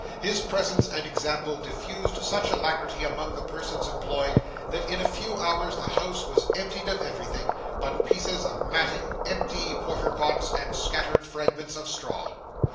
His presence and example diffused such alacrity among the persons employed, that, in a few hours, the house was emptied of everything, but pieces of matting, empty porter pots, and scattered fragments of straw.